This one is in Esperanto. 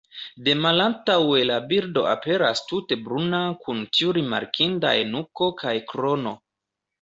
De malantaŭe la birdo aperas tute bruna kun tiu rimarkindaj nuko kaj krono.